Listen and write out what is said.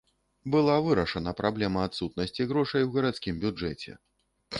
Была вырашана праблема адсутнасці грошай у гарадскім бюджэце.